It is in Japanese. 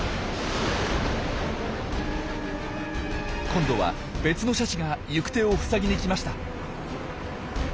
今度は別のシャチが行く手を塞ぎに来ました。